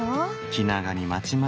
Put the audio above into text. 気長に待ちましょ。